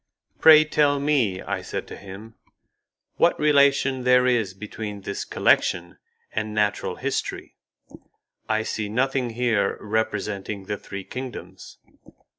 "Pray, tell me," I said to him, "what relation there is between this collection and natural history? I see nothing here representing the three kingdoms."